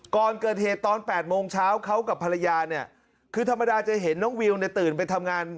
ก่อนเกิดเหตุตอน๘โมงเช้าเขากับภรรยาเนี่ยคือธรรมดาจะเห็นน้องวิวเนี่ยตื่นไปทำงาน